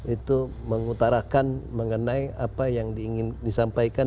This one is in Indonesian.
itu mengutarakan mengenai apa yang diingin disampaikan